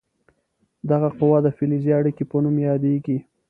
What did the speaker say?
دغه قوه د فلزي اړیکې په نوم یادیږي.